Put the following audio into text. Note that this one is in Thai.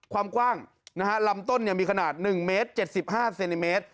ความกว้างลำต้นมีขนาด๑เมตร๗๕เซนติเมตร